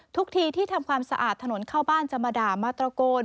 ทุกทีที่ทำความสะอาดถนนเข้าบ้านจะมาด่ามาตระโกน